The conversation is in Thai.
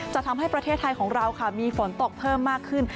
จะทำให้ประเทศไทยของเราค่ะมีฝนตกเพิ่มมากขึ้น